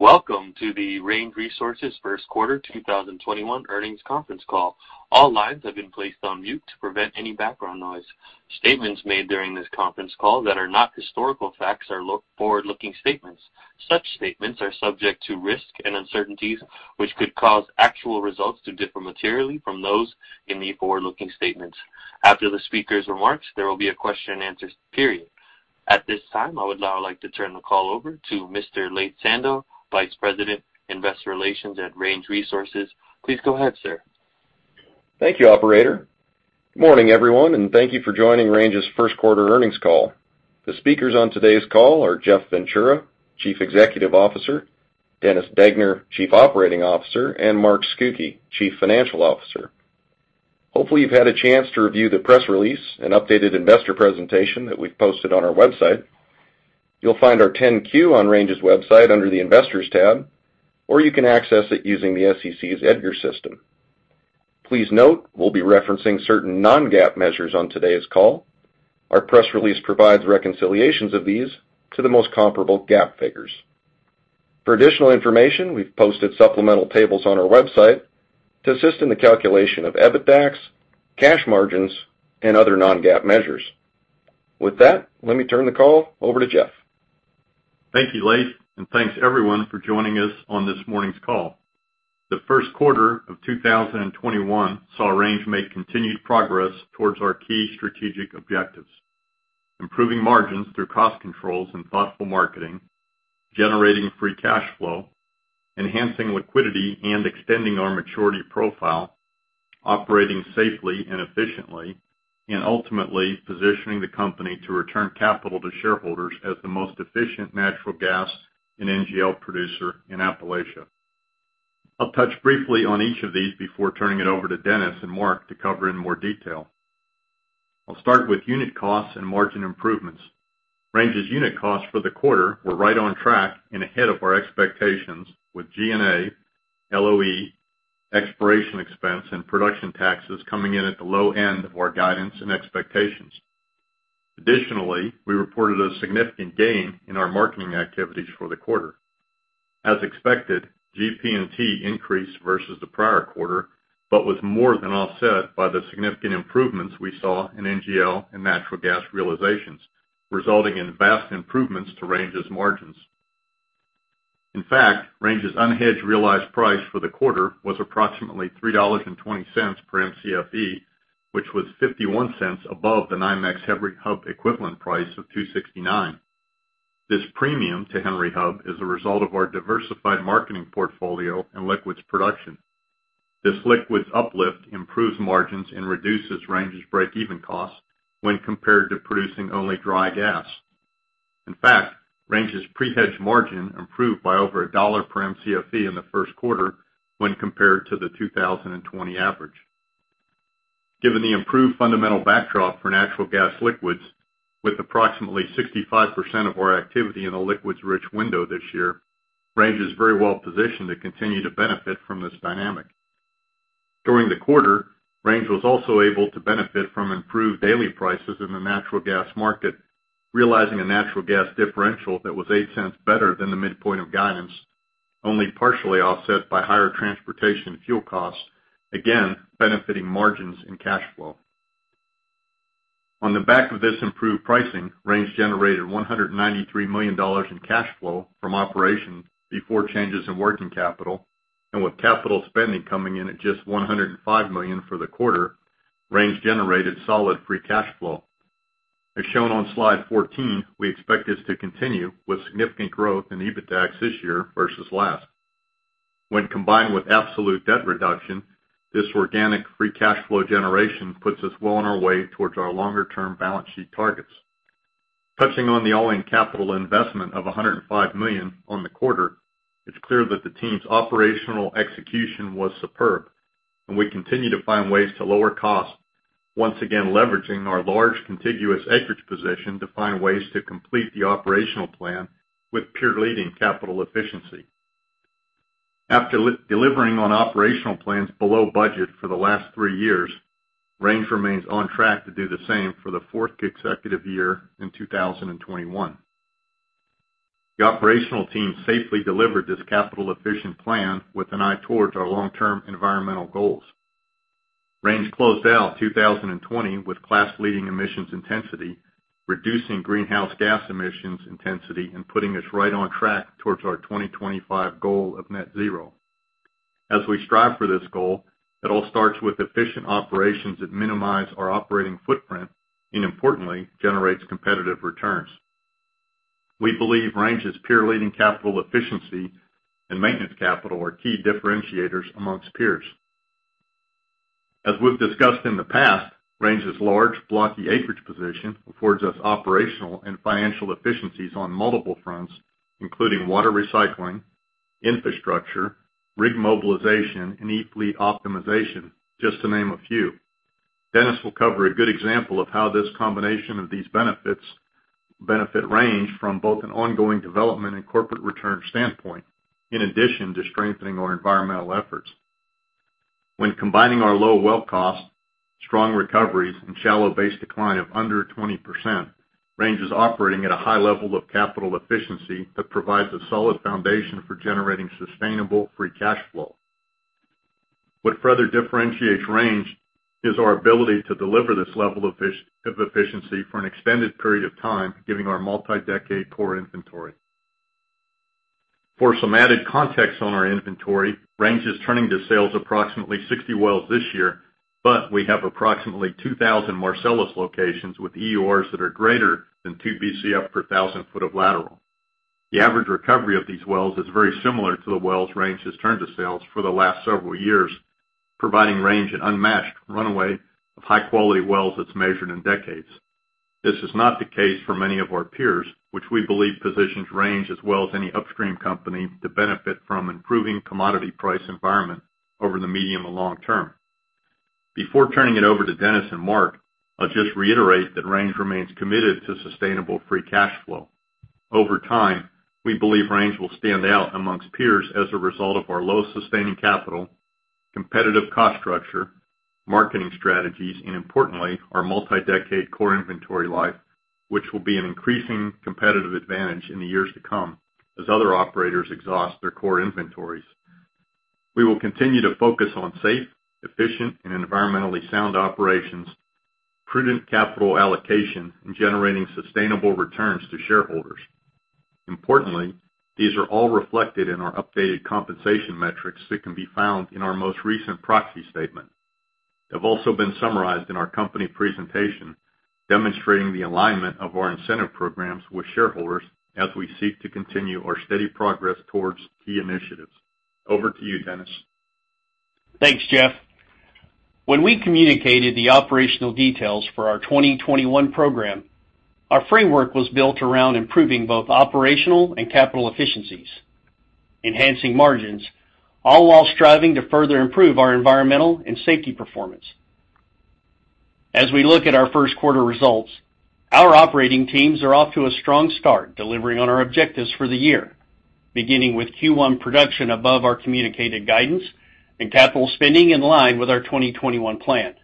Welcome to the Range Resources first quarter 2021 earnings conference call. All lines have been placed on mute to prevent any background noise. Statements made during this conference call that are not historical facts are forward-looking statements. Such statements are subject to risk and uncertainties, which could cause actual results to differ materially from those in the forward-looking statements. After the speakers' remarks, there will be a question and answer period. At this time, I would now like to turn the call over to Mr. Laith Sando, Vice President, Investor Relations at Range Resources. Please go ahead, sir. Thank you, operator. Good morning, everyone, thank you for joining Range's first quarter earnings call. The speakers on today's call are Jeff Ventura, Chief Executive Officer; Dennis Degner, Chief Operating Officer; and Mark Scucchi, Chief Financial Officer. Hopefully, you've had a chance to review the press release and updated investor presentation that we've posted on our website. You'll find our 10-Q on Range's website under the Investors tab, or you can access it using the SEC's EDGAR system. Please note, we'll be referencing certain non-GAAP measures on today's call. Our press release provides reconciliations of these to the most comparable GAAP figures. For additional information, we've posted supplemental tables on our website to assist in the calculation of EBITDAX, cash margins, and other non-GAAP measures. With that, let me turn the call over to Jeff. Thank you, Laith, and thanks, everyone, for joining us on this morning's call. The first quarter of 2021 saw Range make continued progress towards our key strategic objectives: improving margins through cost controls and thoughtful marketing, generating free cash flow, enhancing liquidity, and extending our maturity profile, operating safely and efficiently, and ultimately positioning the company to return capital to shareholders as the most efficient natural gas and NGL producer in Appalachia. I'll touch briefly on each of these before turning it over to Dennis and Mark to cover in more detail. I'll start with unit costs and margin improvements. Range's unit costs for the quarter were right on track and ahead of our expectations with G&A, LOE, exploration expense, and production taxes coming in at the low end of our guidance and expectations. Additionally, we reported a significant gain in our marketing activities for the quarter. As expected, GP&T increased versus the prior quarter, but was more than offset by the significant improvements we saw in NGL and natural gas realizations, resulting in vast improvements to Range's margins. In fact, Range's unhedged realized price for the quarter was approximately $3.20 per Mcfe, which was $0.51 above the NYMEX Henry Hub equivalent price of $2.69. This premium to Henry Hub is a result of our diversified marketing portfolio and liquids production. This liquids uplift improves margins and reduces Range's breakeven cost when compared to producing only dry gas. In fact, Range's pre-hedge margin improved by over $1 per Mcfe in the first quarter when compared to the 2020 average. Given the improved fundamental backdrop for natural gas liquids with approximately 65% of our activity in a liquids-rich window this year, Range is very well positioned to continue to benefit from this dynamic. During the quarter, Range was also able to benefit from improved daily prices in the natural gas market, realizing a natural gas differential that was $0.08 better than the midpoint of guidance, only partially offset by higher transportation fuel costs, again, benefiting margins and cash flow. On the back of this improved pricing, Range generated $193 million in cash flow from operations before changes in working capital. With capital spending coming in at just $105 million for the quarter, Range generated solid free cash flow. As shown on slide 14, we expect this to continue with significant growth in EBITDAX this year versus last. When combined with absolute debt reduction, this organic free cash flow generation puts us well on our way towards our longer-term balance sheet targets. Touching on the all-in capital investment of $105 million on the quarter, it's clear that the team's operational execution was superb, and we continue to find ways to lower costs, once again leveraging our large contiguous acreage position to find ways to complete the operational plan with peer-leading capital efficiency. After delivering on operational plans below budget for the last three years, Range remains on track to do the same for the fourth consecutive year in 2021. The operational team safely delivered this capital-efficient plan with an eye towards our long-term environmental goals. Range closed out 2020 with class-leading emissions intensity, reducing greenhouse gas emissions intensity and putting us right on track towards our 2025 goal of net zero. As we strive for this goal, it all starts with efficient operations that minimize our operating footprint and importantly, generates competitive returns. We believe Range's peer-leading capital efficiency and maintenance capital are key differentiators amongst peers. As we have discussed in the past, Range's large blocky acreage position affords us operational and financial efficiencies on multiple fronts, including water recycling, infrastructure, rig mobilization, and e-fleet optimization, just to name a few. Dennis will cover a good example of how this combination of these benefits benefit Range from both an ongoing development and corporate return standpoint, in addition to strengthening our environmental efforts. When combining our low well cost, strong recoveries, and shallow base decline of under 20%, Range is operating at a high level of capital efficiency that provides a solid foundation for generating sustainable free cash flow. What further differentiates Range is our ability to deliver this level of efficiency for an extended period of time, giving our multi-decade core inventory. For some added context on our inventory, Range is turning to sales approximately 60 wells this year, but we have approximately 2,000 Marcellus locations with EURs that are greater than 2 Bcf per 1,000 foot of lateral. The average recovery of these wells is very similar to the wells Range has turned to sales for the last several years, providing Range an unmatched runway of high-quality wells that's measured in decades. This is not the case for many of our peers, which we believe positions Range as well as any upstream company to benefit from improving commodity price environment over the medium and long term. Before turning it over to Dennis and Mark, I'll just reiterate that Range remains committed to sustainable free cash flow. Over time, we believe Range will stand out amongst peers as a result of our low sustaining capital, competitive cost structure, marketing strategies, and importantly, our multi-decade core inventory life, which will be an increasing competitive advantage in the years to come as other operators exhaust their core inventories. We will continue to focus on safe, efficient, and environmentally sound operations, prudent capital allocation, and generating sustainable returns to shareholders. Importantly, these are all reflected in our updated compensation metrics that can be found in our most recent proxy statement, have also been summarized in our company presentation, demonstrating the alignment of our incentive programs with shareholders as we seek to continue our steady progress towards key initiatives. Over to you, Dennis. Thanks, Jeff. When we communicated the operational details for our 2021 program, our framework was built around improving both operational and capital efficiencies, enhancing margins, all while striving to further improve our environmental and safety performance. As we look at our first quarter results, our operating teams are off to a strong start delivering on our objectives for the year, beginning with Q1 production above our communicated guidance and capital spending in line with our 2021 plan.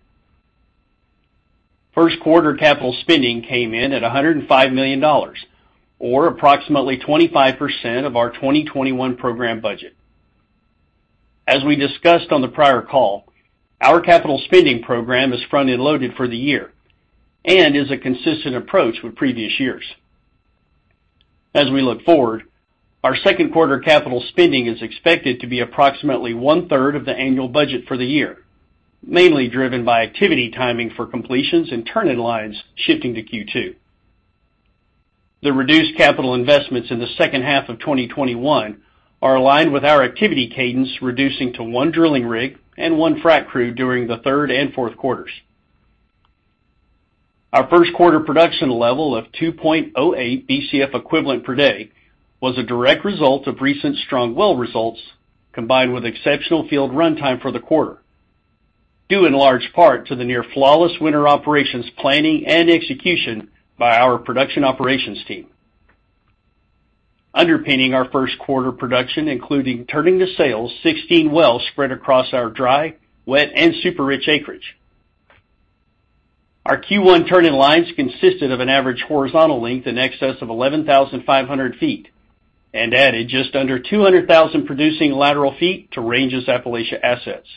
First quarter capital spending came in at $105 million, or approximately 25% of our 2021 program budget. As we discussed on the prior call, our capital spending program is front-end loaded for the year and is a consistent approach with previous years. As we look forward, our second quarter capital spending is expected to be approximately one-third of the annual budget for the year, mainly driven by activity timing for completions and turn-in-lines shifting to Q2. The reduced capital investments in the second half of 2021 are aligned with our activity cadence, reducing to one drilling rig and one frac crew during the third and fourth quarters. Our first quarter production level of 2.08 Bcf equivalent per day was a direct result of recent strong well results, combined with exceptional field runtime for the quarter, due in large part to the near flawless winter operations planning and execution by our production operations team. Underpinning our first quarter production, including turning to sales 16 wells spread across our dry, wet, and super-rich acreage. Our Q1 turn-in-lines consisted of an average horizontal length in excess of 11,500 feet and added just under 200,000 producing lateral feet to Range's Appalachia assets.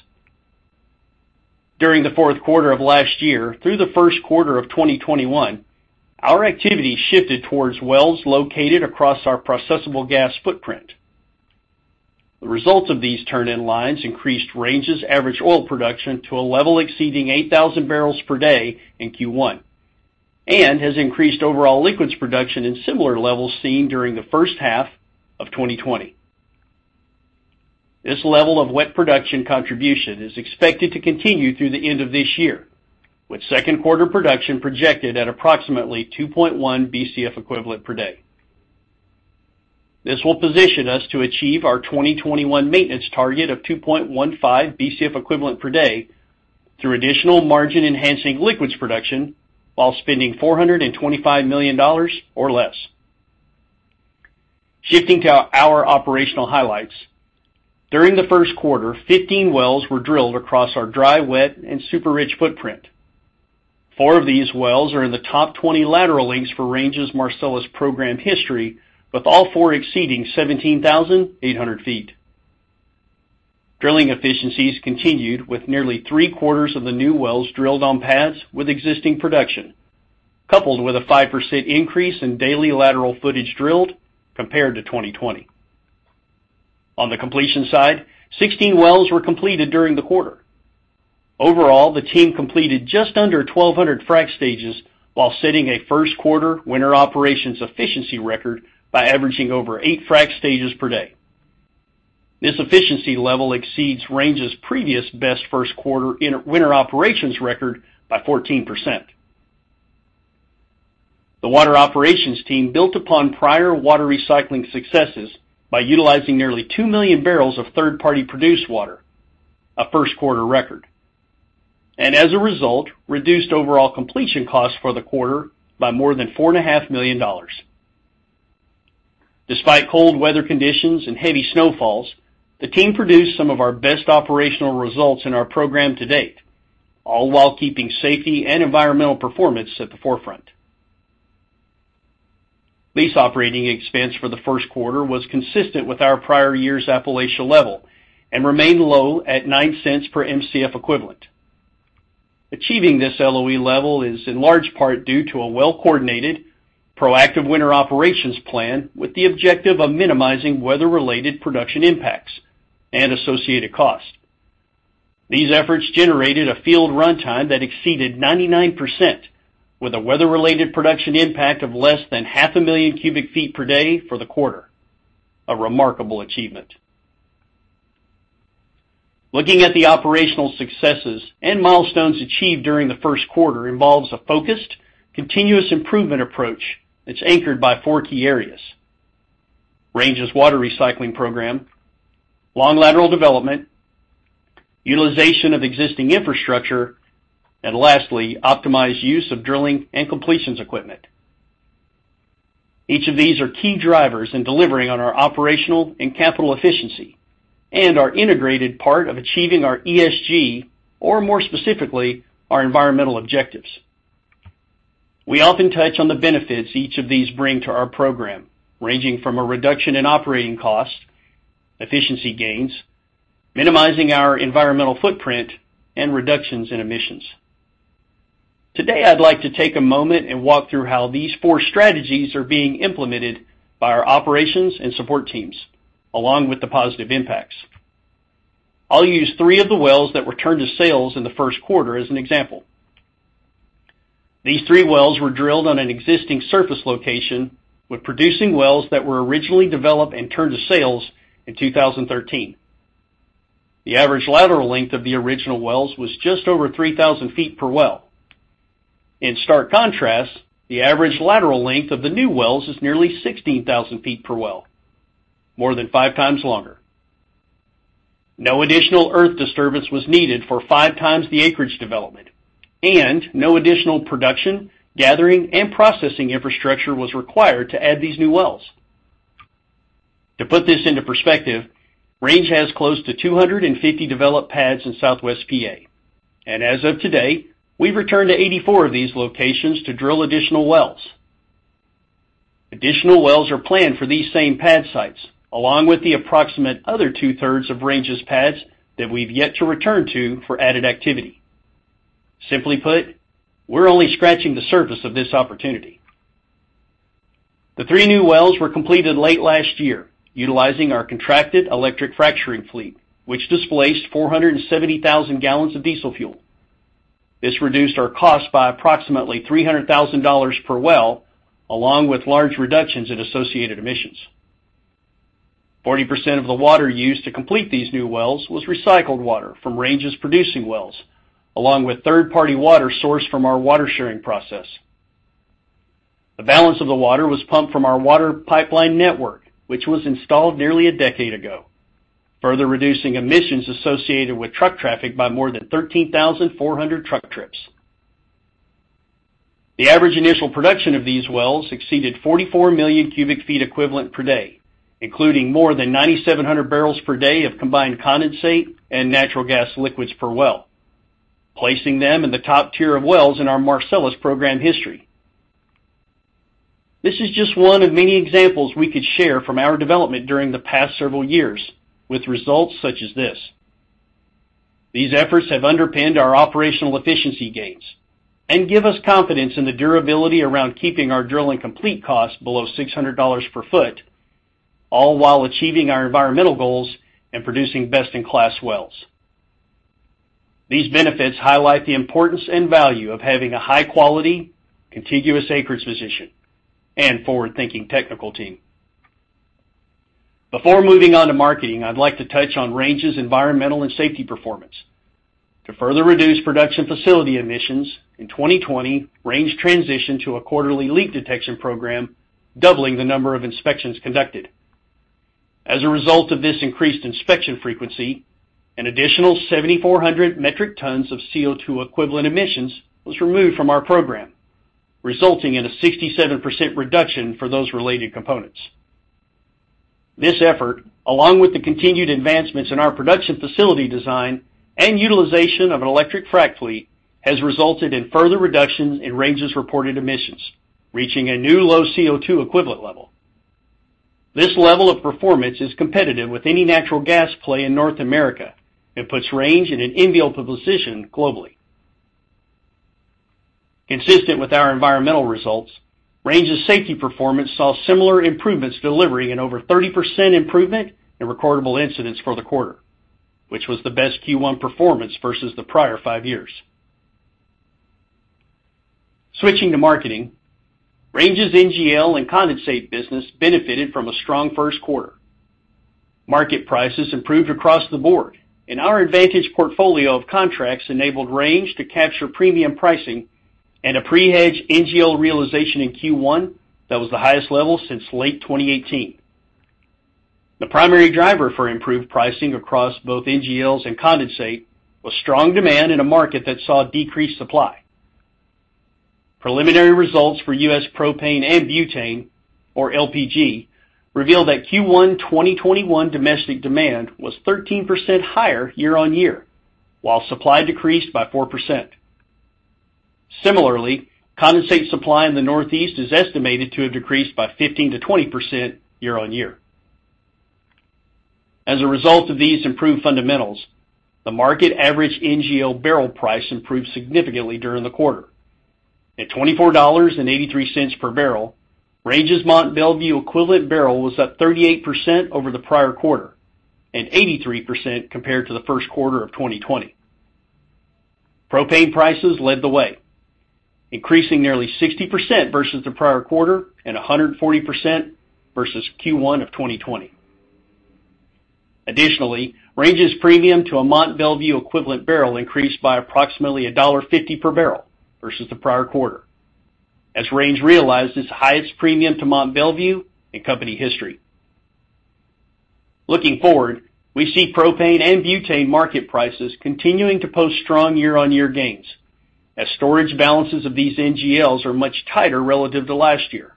During the fourth quarter of last year through the first quarter of 2021, our activity shifted towards wells located across our processable gas footprint. The results of these turn-in-lines increased Range's average oil production to a level exceeding 8,000 barrels per day in Q1 and has increased overall liquids production in similar levels seen during the first half of 2020. This level of wet production contribution is expected to continue through the end of this year, with second quarter production projected at approximately 2.1 Bcf equivalent per day. This will position us to achieve our 2021 maintenance target of 2.15 Bcf equivalent per day through additional margin-enhancing liquids production while spending $425 million or less. Shifting to our operational highlights. During the first quarter, 15 wells were drilled across our dry, wet, and super-rich footprint. Four of these wells are in the top 20 lateral lengths for Range's Marcellus program history, with all four exceeding 17,800 feet. Drilling efficiencies continued with nearly three-quarters of the new wells drilled on pads with existing production, coupled with a 5% increase in daily lateral footage drilled compared to 2020. On the completion side, 16 wells were completed during the quarter. Overall, the team completed just under 1,200 frac stages while setting a first quarter winter operations efficiency record by averaging over eight frac stages per day. This efficiency level exceeds Range's previous best first quarter winter operations record by 14%. The water operations team built upon prior water recycling successes by utilizing nearly two million barrels of third-party produced water, a first quarter record. As a result, reduced overall completion costs for the quarter by more than $4.5 million. Despite cold weather conditions and heavy snowfalls, the team produced some of our best operational results in our program to date, all while keeping safety and environmental performance at the forefront. Lease operating expense for the first quarter was consistent with our prior year's Appalachia level, and remained low at $0.09 per Mcf equivalent. Achieving this LOE level is in large part due to a well-coordinated, proactive winter operations plan, with the objective of minimizing weather-related production impacts and associated cost. These efforts generated a field runtime that exceeded 99%, with a weather-related production impact of less than half a million cubic feet per day for the quarter. A remarkable achievement. Looking at the operational successes and milestones achieved during the first quarter involves a focused, continuous improvement approach that's anchored by four key areas: Range's water recycling program, long lateral development, utilization of existing infrastructure, and lastly, optimized use of drilling and completions equipment. Each of these are key drivers in delivering on our operational and capital efficiency and are integrated part of achieving our ESG, or more specifically, our environmental objectives. We often touch on the benefits each of these bring to our program, ranging from a reduction in operating costs, efficiency gains, minimizing our environmental footprint, and reductions in emissions. Today, I'd like to take a moment and walk through how these four strategies are being implemented by our operations and support teams, along with the positive impacts. I'll use three of the wells that returned to sales in the first quarter as an example. These three wells were drilled on an existing surface location with producing wells that were originally developed and turned to sales in 2013. The average lateral length of the original wells was just over 3,000 feet per well. In stark contrast, the average lateral length of the new wells is nearly 16,000 feet per well, more than five times longer. No additional earth disturbance was needed for five times the acreage development, and no additional production, gathering, and processing infrastructure was required to add these new wells. To put this into perspective, Range has close to 250 developed pads in southwest PA. As of today, we've returned to 84 of these locations to drill additional wells. Additional wells are planned for these same pad sites, along with the approximate other two-thirds of Range's pads that we've yet to return to for added activity. Simply put, we're only scratching the surface of this opportunity. The three new wells were completed late last year utilizing our contracted electric fracturing fleet, which displaced 470,000 gallons of diesel fuel. This reduced our cost by approximately $300,000 per well, along with large reductions in associated emissions. 40% of the water used to complete these new wells was recycled water from Range's producing wells, along with third-party water sourced from our water sharing process. The balance of the water was pumped from our water pipeline network, which was installed nearly a decade ago, further reducing emissions associated with truck traffic by more than 13,400 truck trips. The average initial production of these wells exceeded 44 million cubic feet equivalent per day, including more than 9,700 barrels per day of combined condensate and natural gas liquids per well, placing them in the top tier of wells in our Marcellus program history. This is just one of many examples we could share from our development during the past several years with results such as this. These efforts have underpinned our operational efficiency gains and give us confidence in the durability around keeping our drill and complete costs below $600 per foot, all while achieving our environmental goals and producing best-in-class wells. These benefits highlight the importance and value of having a high-quality, contiguous acreage position and forward-thinking technical team. Before moving on to marketing, I would like to touch on Range's environmental and safety performance. To further reduce production facility emissions, in 2020, Range transitioned to a quarterly leak detection program, doubling the number of inspections conducted. As a result of this increased inspection frequency, an additional 7,400 metric tons of CO2 equivalent emissions was removed from our program, resulting in a 67% reduction for those related components. This effort, along with the continued advancements in our production facility design and utilization of an electric frac fleet, has resulted in further reductions in Range's reported emissions, reaching a new low CO2 equivalent level. This level of performance is competitive with any natural gas play in North America. It puts Range in an enviable position globally. Consistent with our environmental results, Range's safety performance saw similar improvements, delivering an over 30% improvement in recordable incidents for the quarter, which was the best Q1 performance versus the prior five years. Switching to marketing, Range's NGL and condensate business benefited from a strong first quarter. Market prices improved across the board. Our advantage portfolio of contracts enabled Range to capture premium pricing and a pre-hedged NGL realization in Q1 that was the highest level since late 2018. The primary driver for improved pricing across both NGLs and condensate was strong demand in a market that saw decreased supply. Preliminary results for U.S. propane and butane, or LPG, reveal that Q1 2021 domestic demand was 13% higher year-on-year, while supply decreased by 4%. Similarly, condensate supply in the Northeast is estimated to have decreased by 15% to 20% year-on-year. As a result of these improved fundamentals, the market average NGL barrel price improved significantly during the quarter. At $24.83 per barrel, Range's Mont Belvieu equivalent barrel was up 38% over the prior quarter and 83% compared to the first quarter of 2020. Propane prices led the way, increasing nearly 60% versus the prior quarter and 140% versus Q1 of 2020. Additionally, Range's premium to a Mont Belvieu equivalent barrel increased by approximately $1.50 per barrel versus the prior quarter, as Range realized its highest premium to Mont Belvieu in company history. Looking forward, we see propane and butane market prices continuing to post strong year-on-year gains as storage balances of these NGLs are much tighter relative to last year.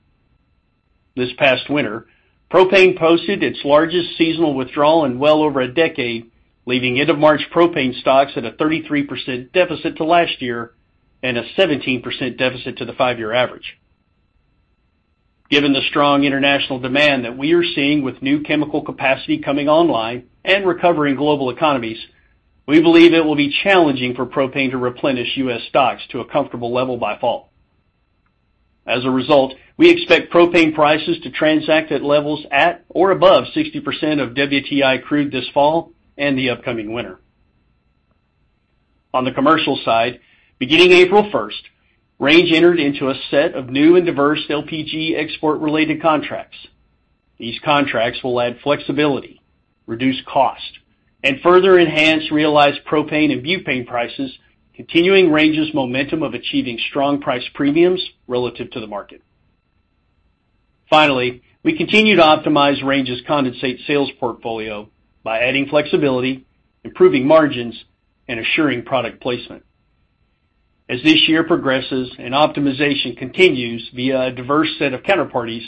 This past winter, propane posted its largest seasonal withdrawal in well over a decade, leaving end of March propane stocks at a 33% deficit to last year and a 17% deficit to the five-year average. Given the strong international demand that we are seeing with new chemical capacity coming online and recovering global economies, we believe it will be challenging for propane to replenish U.S. stocks to a comfortable level by fall. As a result, we expect propane prices to transact at levels at or above 60% of WTI crude this fall and the upcoming winter. On the commercial side, beginning April 1, Range entered into a set of new and diverse LPG export-related contracts. These contracts will add flexibility, reduce cost, and further enhance realized propane and butane prices, continuing Range's momentum of achieving strong price premiums relative to the market. Finally, we continue to optimize Range's condensate sales portfolio by adding flexibility, improving margins, and assuring product placement. As this year progresses and optimization continues via a diverse set of counterparties,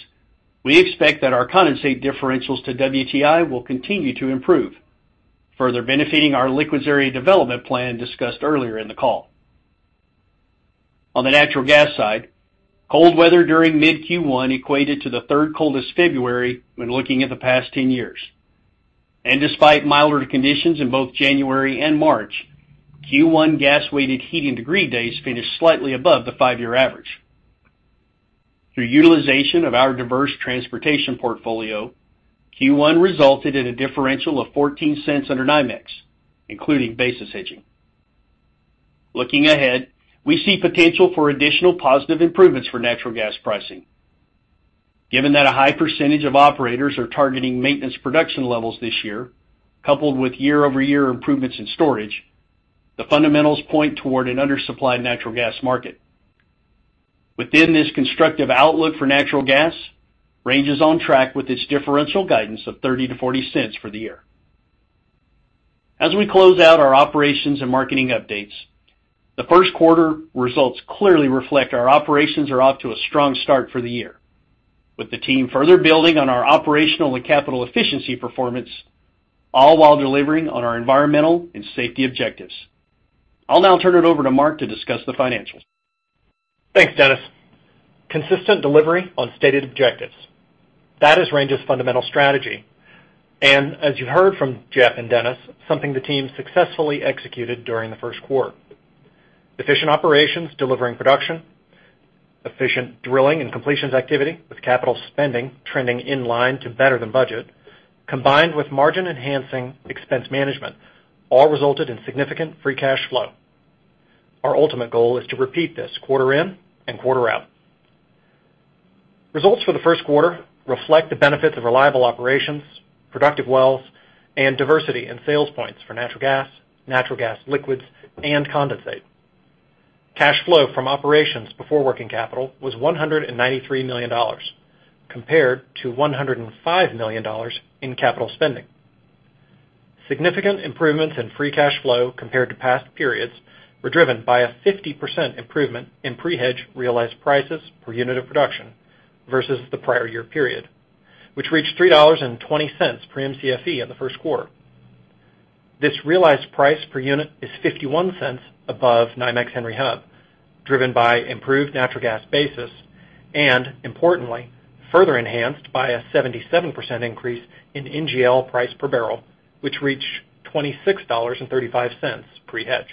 we expect that our condensate differentials to WTI will continue to improve, further benefiting our liquids-area development plan discussed earlier in the call. On the natural gas side, cold weather during mid Q1 equated to the third coldest February when looking at the past 10 years. Despite milder conditions in both January and March, Q1 gas-weighted heating degree days finished slightly above the five-year average. Through utilization of our diverse transportation portfolio, Q1 resulted in a differential of $0.14 under NYMEX, including basis hedging. Looking ahead, we see potential for additional positive improvements for natural gas pricing. Given that a high percentage of operators are targeting maintenance production levels this year, coupled with year-over-year improvements in storage, the fundamentals point toward an undersupplied natural gas market. Within this constructive outlook for natural gas, Range is on track with its differential guidance of $0.30 to $0.40 for the year. As we close out our operations and marketing updates, the first quarter results clearly reflect our operations are off to a strong start for the year, with the team further building on our operational and capital efficiency performance, all while delivering on our environmental and safety objectives. I'll now turn it over to Mark to discuss the financials. Thanks, Dennis. Consistent delivery on stated objectives. That is Range's fundamental strategy, and as you heard from Jeff and Dennis, something the team successfully executed during the first quarter. Efficient operations delivering production, efficient drilling and completions activity with capital spending trending in line to better than budget, combined with margin-enhancing expense management, all resulted in significant free cash flow. Our ultimate goal is to repeat this quarter in and quarter out. Results for the first quarter reflect the benefits of reliable operations, productive wells, and diversity in sales points for natural gas, natural gas liquids, and condensate. Cash flow from operations before working capital was $193 million, compared to $105 million in capital spending. Significant improvements in free cash flow compared to past periods were driven by a 50% improvement in pre-hedge realized prices per unit of production versus the prior year period, which reached $3.20 per Mcfe in the first quarter. This realized price per unit is $0.51 above NYMEX Henry Hub, driven by improved natural gas basis and, importantly, further enhanced by a 77% increase in NGL price per barrel, which reached $26.35 pre-hedge.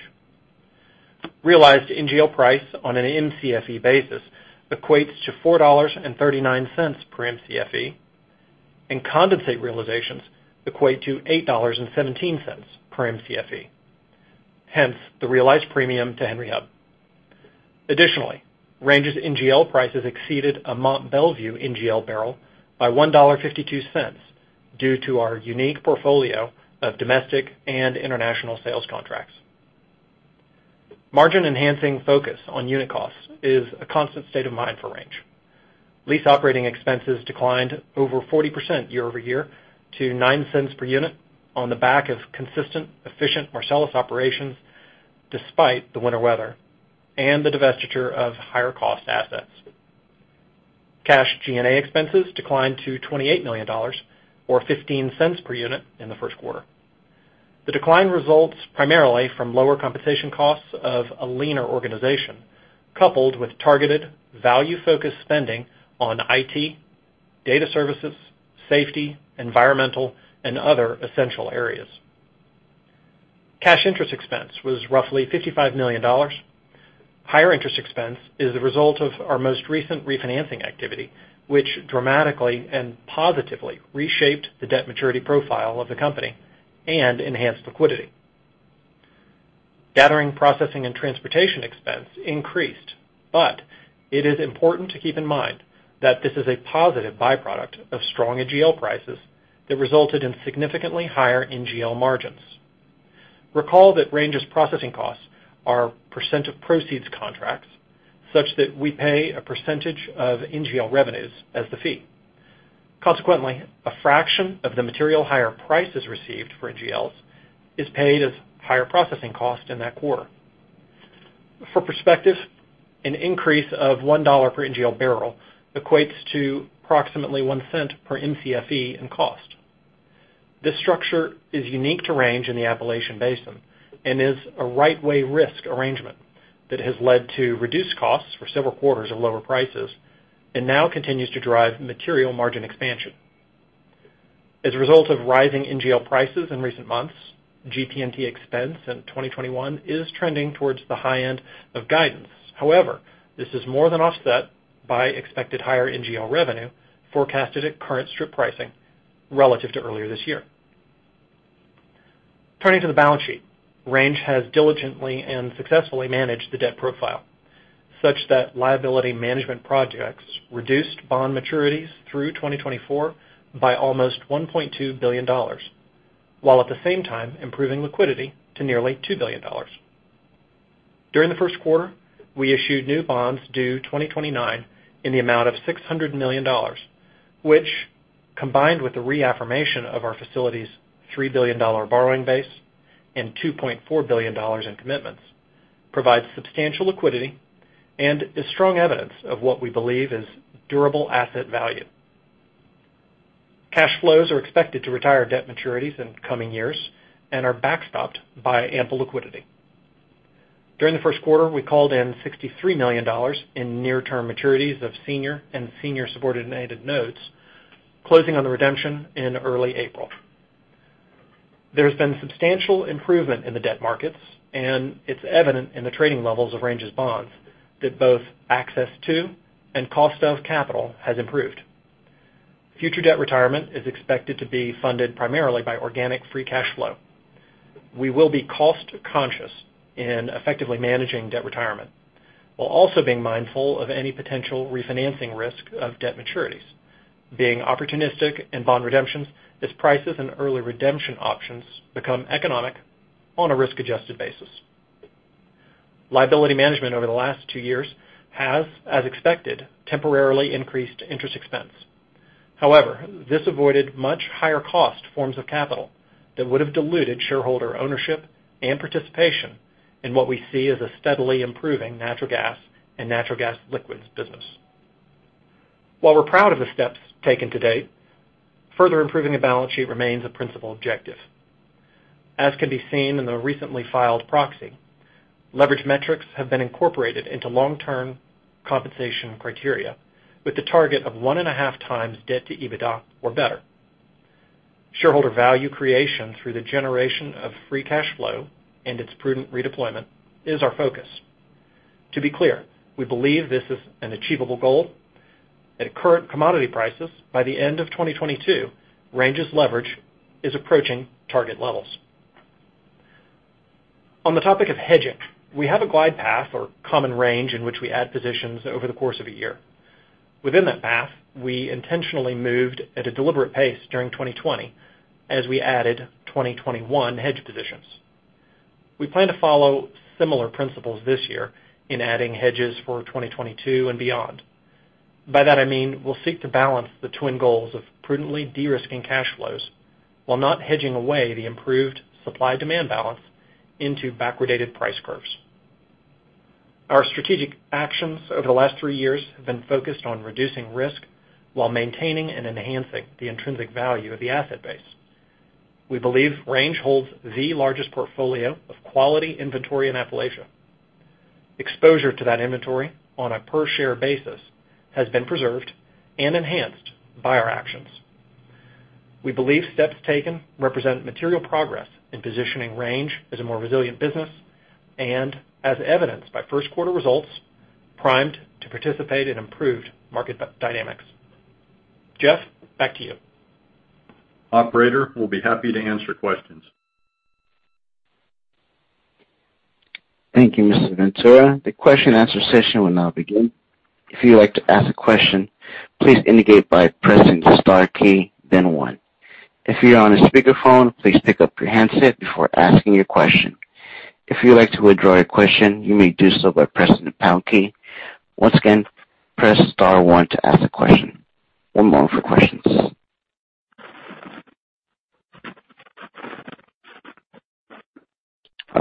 Realized NGL price on an Mcfe basis equates to $4.39 per Mcfe, and condensate realizations equate to $8.17 per Mcfe, hence the realized premium to Henry Hub. Additionally, Range's NGL prices exceeded a Mont Belvieu NGL barrel by $1.52 due to our unique portfolio of domestic and international sales contracts. Margin-enhancing focus on unit costs is a constant state of mind for Range. Lease operating expenses declined over 40% year-over-year to $0.09 per unit on the back of consistent, efficient Marcellus operations despite the winter weather and the divestiture of higher-cost assets. Cash G&A expenses declined to $28 million, or $0.15 per unit in the first quarter. The decline results primarily from lower compensation costs of a leaner organization, coupled with targeted, value-focused spending on IT, data services, safety, environmental, and other essential areas. Cash interest expense was roughly $55 million. Higher interest expense is the result of our most recent refinancing activity, which dramatically and positively reshaped the debt maturity profile of the company and enhanced liquidity. Gathering, processing, and transportation expense increased. It is important to keep in mind that this is a positive byproduct of strong NGL prices that resulted in significantly higher NGL margins. Recall that Range's processing costs are percent-of-proceeds contracts, such that we pay a percentage of NGL revenues as the fee. Consequently, a fraction of the material higher prices received for NGLs is paid as higher processing cost in that quarter. For perspective, an increase of $1 per NGL barrel equates to approximately $0.01 per Mcfe in cost. This structure is unique to Range in the Appalachia Basin and is a right way risk arrangement that has led to reduced costs for several quarters of lower prices and now continues to drive material margin expansion. As a result of rising NGL prices in recent months, GP&T expense in 2021 is trending towards the high end of guidance. However, this is more than offset by expected higher NGL revenue forecasted at current strip pricing relative to earlier this year. Turning to the balance sheet. Range has diligently and successfully managed the debt profile such that liability management projects reduced bond maturities through 2024 by almost $1.2 billion, while at the same time improving liquidity to nearly $2 billion. During the first quarter, we issued new bonds due 2029 in the amount of $600 million, which, combined with the reaffirmation of our facility's $3 billion borrowing base and $2.4 billion in commitments, provides substantial liquidity and is strong evidence of what we believe is durable asset value. Cash flows are expected to retire debt maturities in coming years and are backstopped by ample liquidity. During the first quarter, we called in $63 million in near-term maturities of senior and senior subordinated notes, closing on the redemption in early April. There has been substantial improvement in the debt markets, and it's evident in the trading levels of Range's bonds that both access to and cost of capital has improved. Future debt retirement is expected to be funded primarily by organic free cash flow. We will be cost-conscious in effectively managing debt retirement, while also being mindful of any potential refinancing risk of debt maturities, being opportunistic in bond redemptions as prices and early redemption options become economic on a risk-adjusted basis. Liability management over the last two years has, as expected, temporarily increased interest expense. However, this avoided much higher-cost forms of capital that would have diluted shareholder ownership and participation in what we see as a steadily improving natural gas and natural gas liquids business. While we're proud of the steps taken to date, further improving the balance sheet remains a principal objective. As can be seen in the recently filed proxy, leverage metrics have been incorporated into long-term compensation criteria with the target of one and a half times debt to EBITDA or better. Shareholder value creation through the generation of free cash flow and its prudent redeployment is our focus. To be clear, we believe this is an achievable goal. At current commodity prices, by the end of 2022, Range's leverage is approaching target levels. On the topic of hedging, we have a glide path or common range in which we add positions over the course of a year. Within that path, we intentionally moved at a deliberate pace during 2020 as we added 2021 hedge positions. We plan to follow similar principles this year in adding hedges for 2022 and beyond. By that, I mean we'll seek to balance the twin goals of prudently de-risking cash flows while not hedging away the improved supply-demand balance into backwardated price curves. Our strategic actions over the last three years have been focused on reducing risk while maintaining and enhancing the intrinsic value of the asset base. We believe Range holds the largest portfolio of quality inventory in Appalachia. Exposure to that inventory on a per-share basis has been preserved and enhanced by our actions. We believe steps taken represent material progress in positioning Range as a more resilient business and, as evidenced by first quarter results, primed to participate in improved market dynamics. Jeff, back to you. Operator, we'll be happy to answer questions. Thank you, Mr. Ventura. The question and answer session will now begin. Our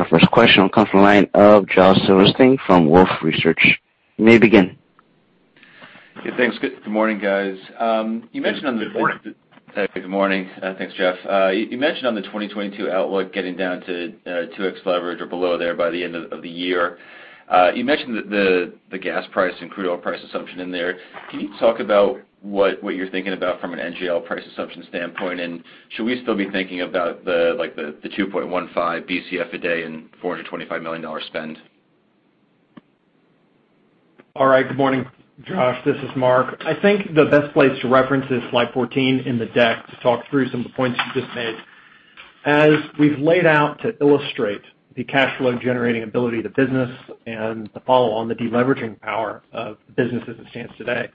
first question will come from the line of Josh Silverstein from Wolfe Research. You may begin. Yeah, thanks. Good morning, guys. Good morning. Hey, good morning. Thanks, Jeff. You mentioned on the 2022 outlook getting down to two times leverage or below there by the end of the year. You mentioned the gas price and crude oil price assumption in there. Can you talk about what you're thinking about from an NGL price assumption standpoint, and should we still be thinking about the 2.15 Bcf a day and $425 million spend? All right. Good morning, Josh. This is Mark. I think the best place to reference is slide 14 in the deck to talk through some of the points you just made. As we've laid out to illustrate the cash flow generating ability of the business and to follow on the de-leveraging power of the business as it stands today.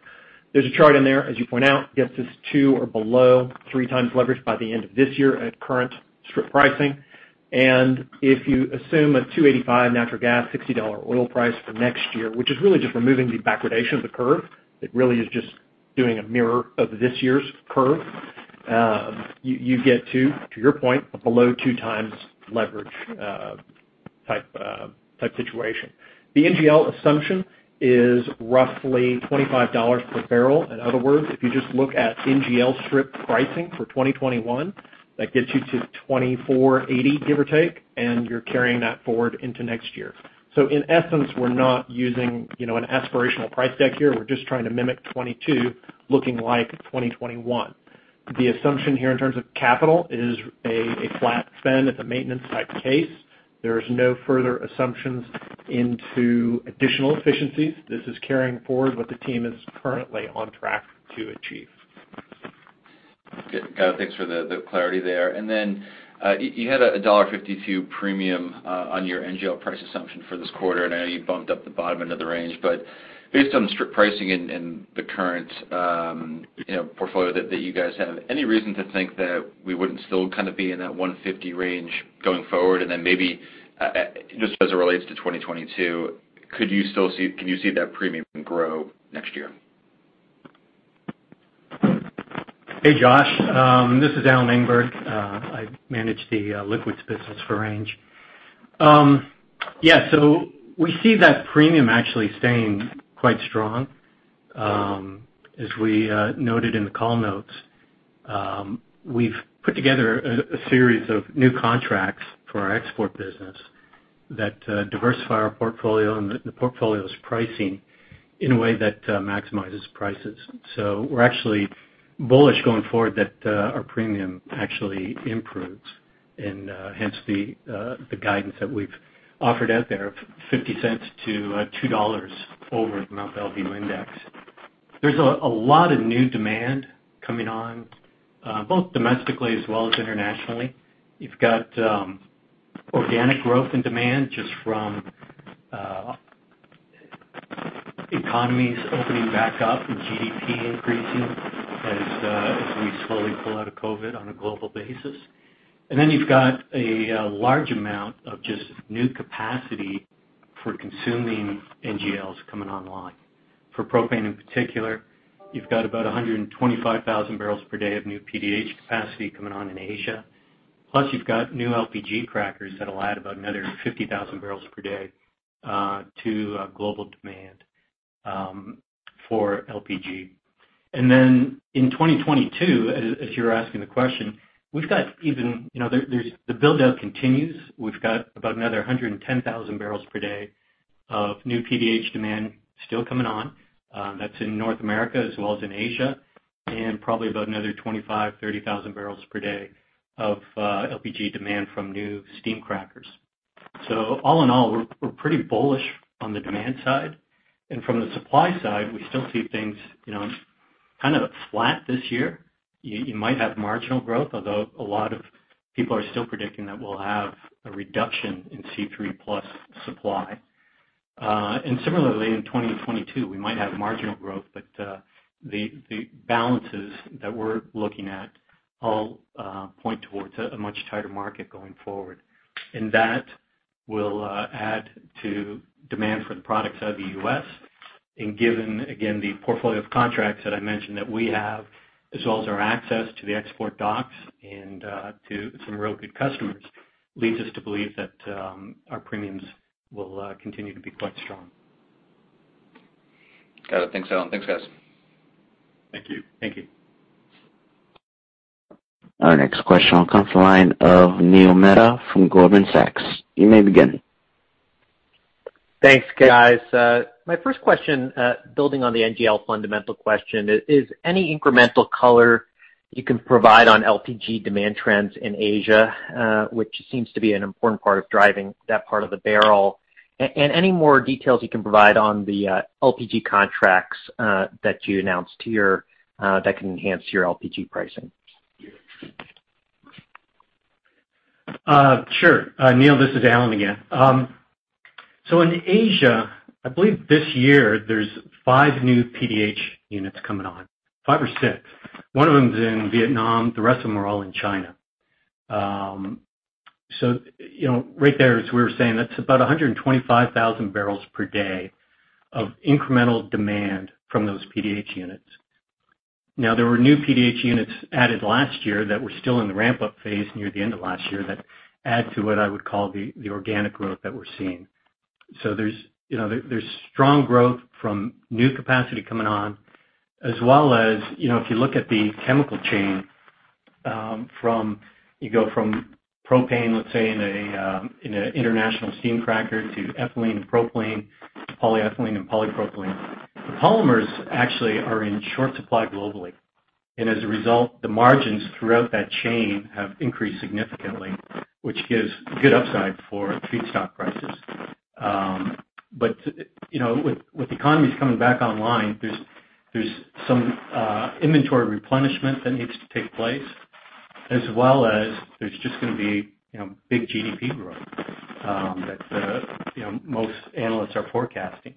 There's a chart in there, as you point out, that gets us two times or below three times leverage by the end of this year at current strip pricing. If you assume a $2.85 natural gas, $60 oil price for next year, which is really just removing the backwardation of the curve, it really is just doing a mirror of this year's curve. You get to, your point, below two times leverage type situation. The NGL assumption is roughly $25 per barrel. In other words, if you just look at NGL strip pricing for 2021, that gets you to $24.80, give or take, and you're carrying that forward into next year. In essence, we're not using an aspirational price deck here. We're just trying to mimic 2022 looking like 2021. The assumption here in terms of capital is a flat spend. It's a maintenance type case. There is no further assumptions into additional efficiencies. This is carrying forward what the team is currently on track to achieve. Good. Got it. Thanks for the clarity there. You had a $1.52 premium on your NGL price assumption for this quarter, and I know you bumped up the bottom end of the range, but based on the strip pricing and the current portfolio that you guys have, any reason to think that we wouldn't still kind of be in that $1.50 range going forward? Maybe, just as it relates to 2022, can you see that premium grow next year? Hey, Josh. This is Alan Engberg. I manage the liquids business for Range. Yeah. We see that premium actually staying quite strong. As we noted in the call notes, we've put together a series of new contracts for our export business that diversify our portfolio and the portfolio's pricing in a way that maximizes prices. We're actually bullish going forward that our premium actually improves and hence the guidance that we've offered out there of $0.50 to $2 over the Mont Belvieu index. There's a lot of new demand coming on, both domestically as well as internationally. You've got organic growth in demand just from economies opening back up and GDP increasing as we slowly pull out of COVID on a global basis. You've got a large amount of just new capacity for consuming NGLs coming online. For propane in particular, you've got about 125,000 barrels per day of new PDH capacity coming on in Asia. You've got new LPG crackers that'll add about another 50,000 barrels per day to global demand for LPG. Then in 2022, as you're asking the question, the build-out continues. We've got about another 110,000 barrels per day of new PDH demand still coming on. That's in North America as well as in Asia, and probably about another 25,000, 30,000 barrels per day of LPG demand from new steam crackers. All in all, we're pretty bullish on the demand side. From the supply side, we still see things kind of flat this year. You might have marginal growth, although a lot of people are still predicting that we'll have a reduction in C3 plus supply. Similarly in 2022, we might have marginal growth, but the balances that we're looking at all point towards a much tighter market going forward. That will add to demand for the products out of the U.S. Given, again, the portfolio of contracts that I mentioned that we have, as well as our access to the export docks and to some real good customers, leads us to believe that our premiums will continue to be quite strong. Got it. Thanks, Alan. Thanks, guys. Thank you. Thank you. Our next question will come from the line of Neil Mehta from Goldman Sachs. You may begin. Thanks, guys. My first question, building on the NGL fundamental question, is any incremental color you can provide on LPG demand trends in Asia, which seems to be an important part of driving that part of the barrel? Any more details you can provide on the LPG contracts that you announced that can enhance your LPG pricing? Sure. Neil, this is Alan again. In Asia, I believe this year there's five new PDH units coming on, five or six. One of them is in Vietnam, the rest of them are all in China. Right there, as we were saying, that's about 125,000 barrels per day of incremental demand from those PDH units. Now, there were new PDH units added last year that were still in the ramp-up phase near the end of last year that add to what I would call the organic growth that we're seeing. There's strong growth from new capacity coming on, as well as, if you look at the chemical chain, you go from propane, let's say, in an international steam cracker to ethylene and propylene to polyethylene and polypropylene. The polymers actually are in short supply globally. As a result, the margins throughout that chain have increased significantly, which gives good upside for feedstock prices. With economies coming back online, there's some inventory replenishment that needs to take place, as well as there's just going to be big GDP growth that most analysts are forecasting.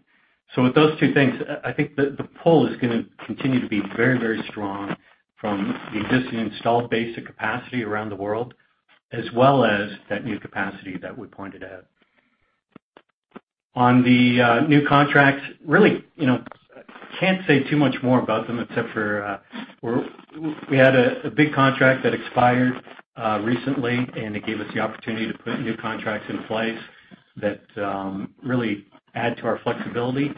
With those two things, I think the pull is going to continue to be very, very strong from the existing installed basic capacity around the world, as well as that new capacity that we pointed out. On the new contracts, really, can't say too much more about them except for we had a big contract that expired recently, and it gave us the opportunity to put new contracts in place that really add to our flexibility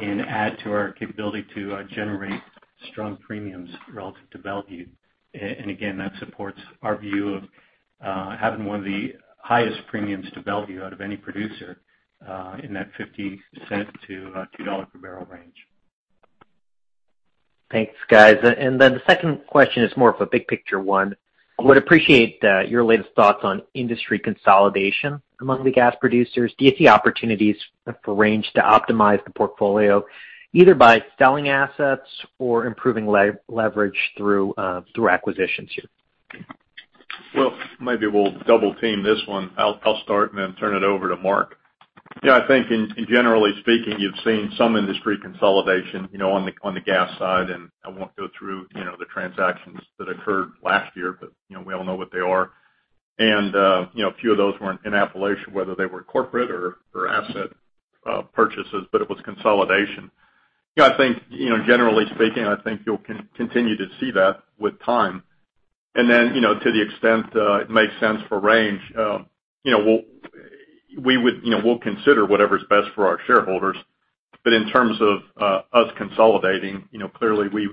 and add to our capability to generate strong premiums relative to Belvieu. Again, that supports our view of having one of the highest premiums to Belvieu out of any producer in that $0.50 to $2 per barrel range. Thanks, guys. The second question is more of a big picture one. I would appreciate your latest thoughts on industry consolidation among the gas producers. Do you see opportunities for Range to optimize the portfolio, either by selling assets or improving leverage through acquisitions here? Well, maybe we'll double team this one. I'll start and then turn it over to Mark. Yeah, I think generally speaking, you've seen some industry consolidation on the gas side, I won't go through the transactions that occurred last year, We all know what they are. A few of those were in Appalachia, whether they were corporate or asset purchases, It was consolidation. I think, generally speaking, I think you'll continue to see that with time. Then, to the extent it makes sense for Range, we'll consider whatever's best for our shareholders. In terms of us consolidating, clearly we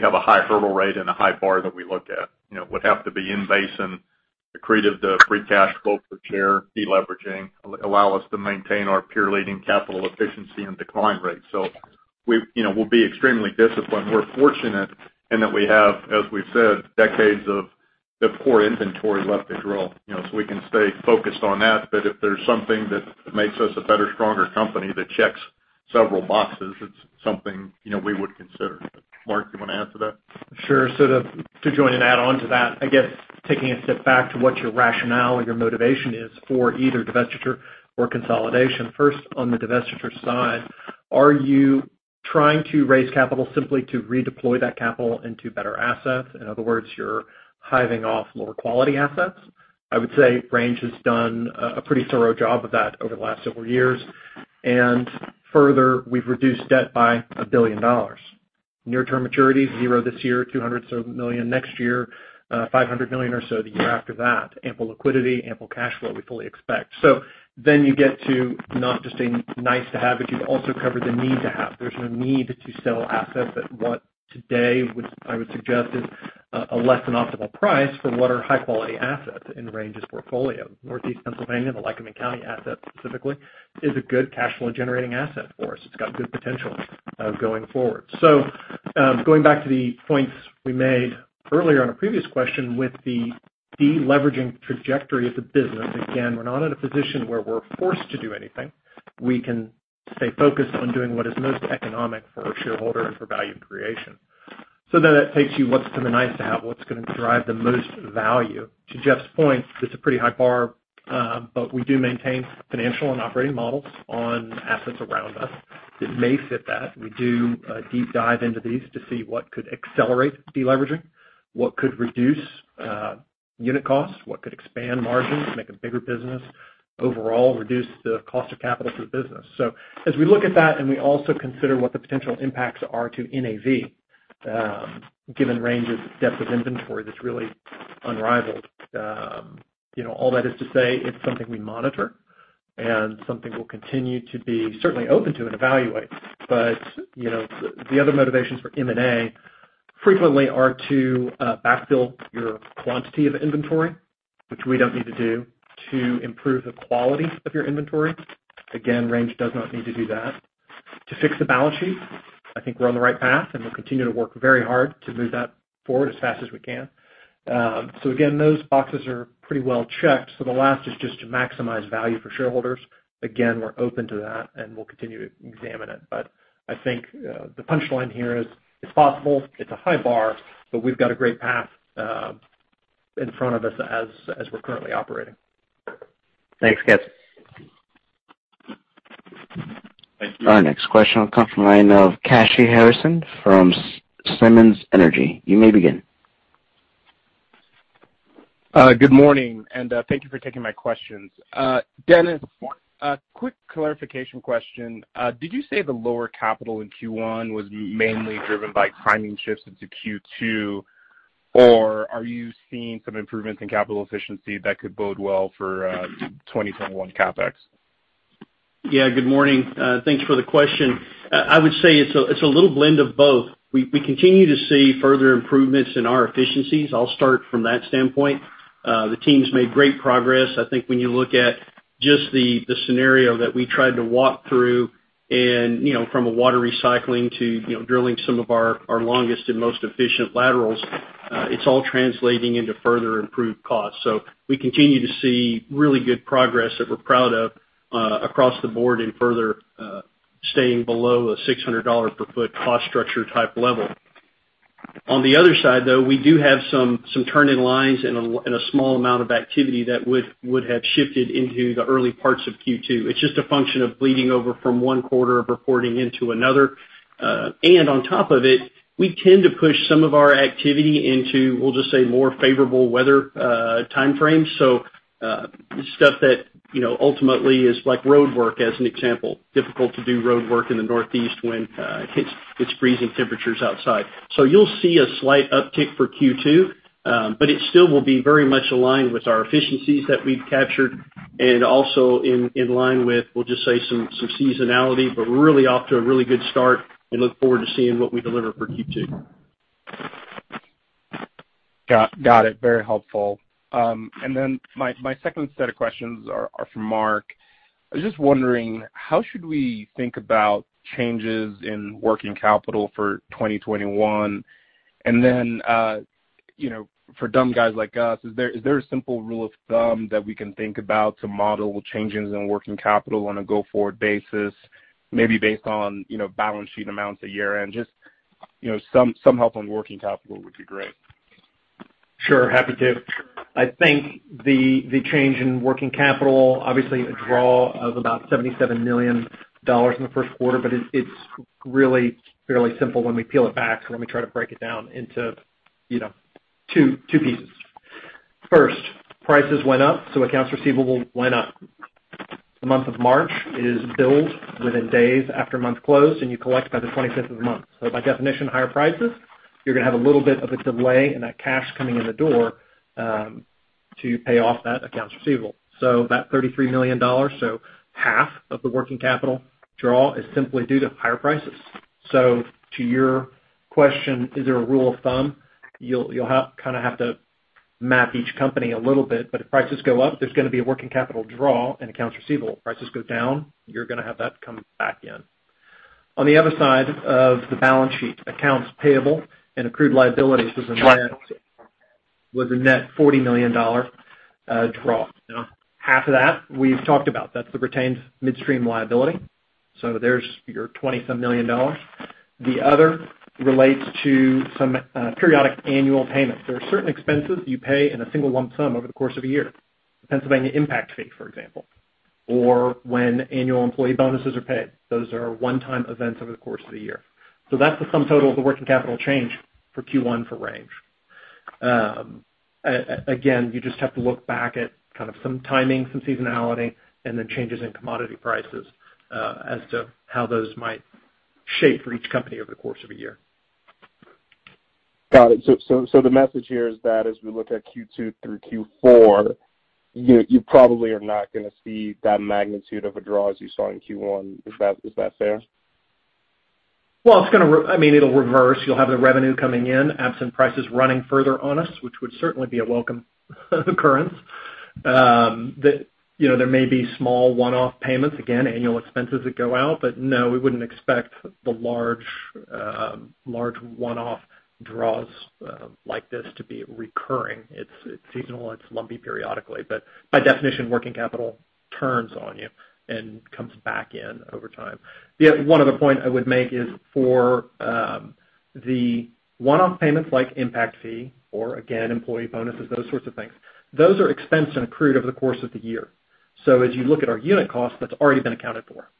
have a high hurdle rate and a high bar that we look at. Would have to be in basin, accretive to free cash flow per share, de-leveraging, allow us to maintain our peer-leading capital efficiency and decline rates. We'll be extremely disciplined. We're fortunate in that we have, as we've said, decades of core inventory left to drill. We can stay focused on that, but if there's something that makes us a better, stronger company that checks several boxes, it's something we would consider. Mark, do you want to add to that? Sure. To join and add on to that, I guess taking a step back to what your rationale or your motivation is for either divestiture or consolidation. First, on the divestiture side, are you trying to raise capital simply to redeploy that capital into better assets? In other words, you're hiving off lower quality assets. I would say Range has done a pretty thorough job of that over the last several years. Further, we've reduced debt by $1 billion. Near-term maturities, zero this year, $200 million next year, $500 million or so the year after that. Ample liquidity, ample cash flow we fully expect. You get to not just a nice-to-have, but you also cover the need-to-have. There's no need to sell assets at what today I would suggest is a less than optimal price for what are high-quality assets in Range's portfolio. Northeast Pennsylvania, the Lycoming County assets specifically, is a good cash flow generating asset for us. It's got good potential going forward. Going back to the points we made earlier on a previous question with the de-leveraging trajectory of the business, again, we're not in a position where we're forced to do anything. We can stay focused on doing what is most economic for our shareholder and for value creation. That takes you what's the nice to have, what's going to drive the most value. To Jeff's point, it's a pretty high bar, but we do maintain financial and operating models on assets around us that may fit that. We do a deep dive into these to see what could accelerate de-leveraging, what could reduce unit costs, what could expand margins, make a bigger business overall, reduce the cost of capital to the business. As we look at that, and we also consider what the potential impacts are to NAV, given Range's depth of inventory that's really unrivaled. All that is to say it's something we monitor and something we'll continue to be certainly open to and evaluate. The other motivations for M&A frequently are to backfill your quantity of inventory, which we don't need to do. To improve the quality of your inventory. Again, Range does not need to do that. To fix the balance sheet, I think we're on the right path, and we'll continue to work very hard to move that forward as fast as we can. Again, those boxes are pretty well checked. The last is just to maximize value for shareholders. Again, we're open to that, and we'll continue to examine it. I think the punchline here is it's possible, it's a high bar, but we've got a great path in front of us as we're currently operating. Thanks, guys. Thank you. Our next question will come from the line of Kashy Harrison from Simmons Energy. You may begin. Good morning, thank you for taking my questions. Dennis, a quick clarification question. Did you say the lower capital in Q1 was mainly driven by timing shifts into Q2, or are you seeing some improvements in capital efficiency that could bode well for 2021 CapEx? Yeah. Good morning. Thanks for the question. I would say it's a little blend of both. We continue to see further improvements in our efficiencies. I'll start from that standpoint. The team's made great progress. I think when you look at just the scenario that we tried to walk through and from a water recycling to drilling some of our longest and most efficient laterals, it's all translating into further improved costs. We continue to see really good progress that we're proud of across the board in further staying below a $600 per foot cost structure type level. On the other side, though, we do have some turn-in lines and a small amount of activity that would have shifted into the early parts of Q2. It's just a function of bleeding over from one quarter of reporting into another. On top of it, we tend to push some of our activity into, we'll just say, more favorable weather timeframes. Stuff that ultimately is like roadwork, as an example. Difficult to do roadwork in the Northeast when it's freezing temperatures outside. You'll see a slight uptick for Q2, but it still will be very much aligned with our efficiencies that we've captured and also in line with, we'll just say some seasonality, but really off to a really good start and look forward to seeing what we deliver for Q2. Got it. Very helpful. My second set of questions are for Mark. I was just wondering, how should we think about changes in working capital for 2021? For dumb guys like us, is there a simple rule of thumb that we can think about to model changes in working capital on a go-forward basis, maybe based on balance sheet amounts at year-end? Just some help on working capital would be great. Sure. Happy to. I think the change in working capital, obviously a draw of about $77 million in the first quarter, but it's really fairly simple when we peel it back. Let me try to break it down into two pieces. First, prices went up, so accounts receivable went up. The month of March is billed within days after month close, and you collect by the 25 of the month. By definition, higher prices, you're going to have a little bit of a delay in that cash coming in the door, to pay off that accounts receivable. That $33 million, so half of the working capital draw is simply due to higher prices. To your question, is there a rule of thumb? You'll have to map each company a little bit, but if prices go up, there's going to be a working capital draw in accounts receivable. If prices go down, you're going to have that come back in. On the other side of the balance sheet, accounts payable and accrued liabilities was a net $40 million draw. Half of that we've talked about. That's the retained midstream liability. There's your $20 some million dollars. The other relates to some periodic annual payments. There are certain expenses you pay in a single lump sum over the course of a year. The Pennsylvania impact fee, for example, or when annual employee bonuses are paid. Those are one-time events over the course of the year. That's the sum total of the working capital change for Q1 for Range. You just have to look back at some timing, some seasonality, and then changes in commodity prices, as to how those might shape for each company over the course of a year. Got it. The message here is that as we look at Q2 through Q4, you probably are not going to see that magnitude of a draw as you saw in Q1. Is that fair? Well, it'll reverse. You'll have the revenue coming in absent prices running further on us, which would certainly be a welcome occurrence. There may be small one-off payments, again, annual expenses that go out. No, we wouldn't expect the large one-off draws like this to be recurring. It's seasonal, it's lumpy periodically, but by definition, working capital turns on you and comes back in over time. The one other point I would make is for the one-off payments like impact fee or again, employee bonuses, those sorts of things. Those are expensed and accrued over the course of the year. As you look at our unit costs, that's already been accounted for.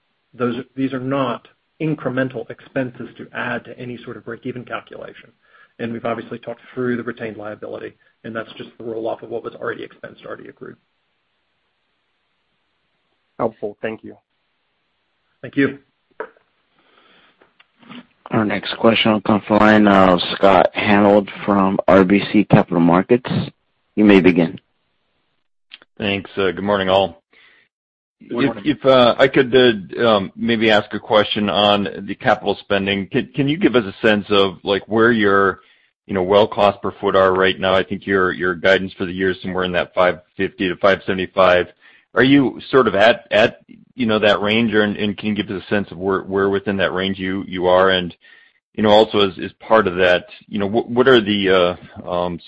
These are not incremental expenses to add to any sort of break-even calculation. We've obviously talked through the retained liability, and that's just the roll-off of what was already expensed, already accrued. Helpful. Thank you. Thank you. Our next question will come from the line of Scott Hanold from RBC Capital Markets. You may begin. Thanks. Good morning, all. Good morning. If I could maybe ask a question on the capital spending. Can you give us a sense of where your well cost per foot are right now? I think your guidance for the year is somewhere in that $550 to $575. Are you sort of at that range? Can you give us a sense of where within that range you are? Also as part of that, what are the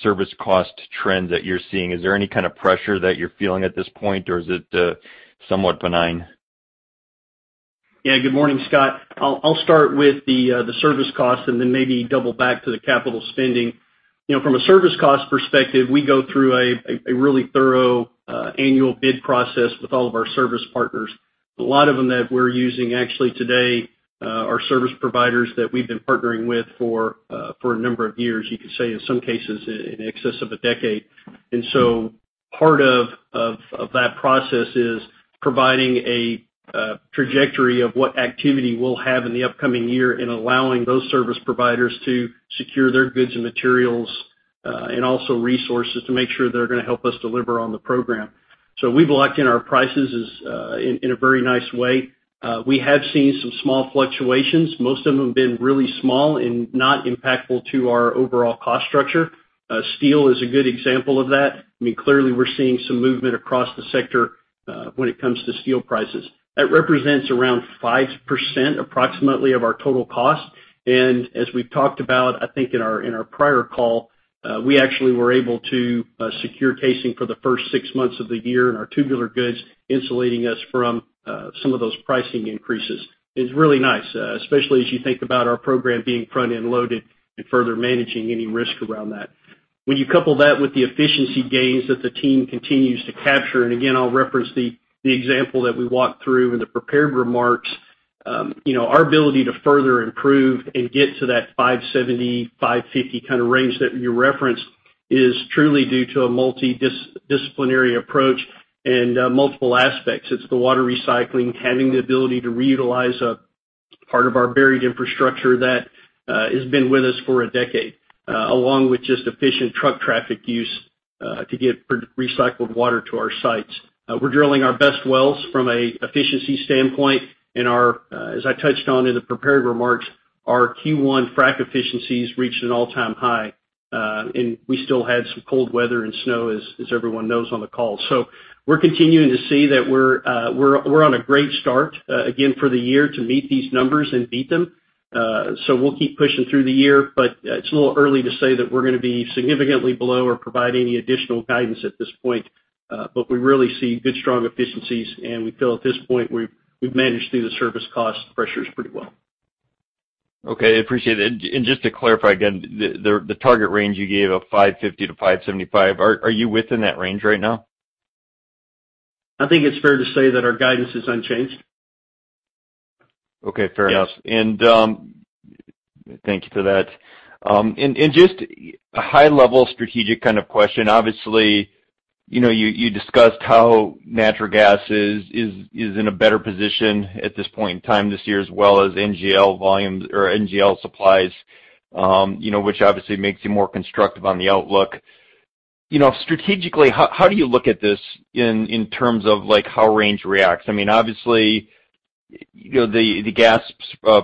service cost trends that you're seeing? Is there any kind of pressure that you're feeling at this point, or is it somewhat benign? Good morning, Scott. I'll start with the service cost and then maybe double back to the capital spending. From a service cost perspective, we go through a really thorough annual bid process with all of our service partners. A lot of them that we're using actually today are service providers that we've been partnering with for a number of years. You could say in some cases, in excess of a decade. Part of that process is providing a trajectory of what activity we'll have in the upcoming year and allowing those service providers to secure their goods and materials, and also resources to make sure they're going to help us deliver on the program. We've locked in our prices in a very nice way. We have seen some small fluctuations. Most of them have been really small and not impactful to our overall cost structure. Steel is a good example of that. Clearly, we're seeing some movement across the sector, when it comes to steel prices. That represents around 5% approximately of our total cost, and as we've talked about, I think in our prior call, we actually were able to secure casing for the first six months of the year in our tubular goods, insulating us from some of those pricing increases. It's really nice, especially as you think about our program being front-end loaded and further managing any risk around that. When you couple that with the efficiency gains that the team continues to capture, and again, I'll reference the example that we walked through in the prepared remarks. Our ability to further improve and get to that 570, 550 kind of range that you referenced is truly due to a multidisciplinary approach and multiple aspects. It's the water recycling, having the ability to reutilize a part of our buried infrastructure that has been with us for a decade, along with just efficient truck traffic use to get recycled water to our sites. We're drilling our best wells from an efficiency standpoint, and as I touched on in the prepared remarks, our Q1 frac efficiencies reached an all-time high. We still had some cold weather and snow, as everyone knows on the call. We're continuing to see that we're on a great start again for the year to meet these numbers and beat them. We'll keep pushing through the year, but it's a little early to say that we're going to be significantly below or provide any additional guidance at this point. We really see good, strong efficiencies, and we feel at this point, we've managed through the service cost pressures pretty well. Okay, appreciate it. Just to clarify again, the target range you gave of 550 to 575, are you within that range right now? I think it's fair to say that our guidance is unchanged. Okay. Fair enough. Yes. Thank you for that. Just a high level strategic kind of question. Obviously, you discussed how natural gas is in a better position at this point in time this year, as well as NGL volumes or NGL supplies, which obviously makes you more constructive on the outlook. Strategically, how do you look at this in terms of how Range reacts? Obviously, the gas